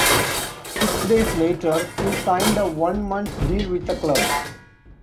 Six days later, he signed a one-month deal with the club.